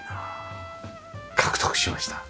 獲得しました。